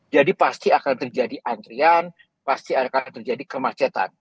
jadi pasti akan terjadi antrian pasti akan terjadi kemacetan